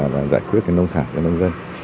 và giải quyết cái nông sản cho nông dân